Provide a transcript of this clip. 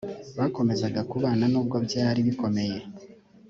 bakomezaga kubana nubwo byari bikomeye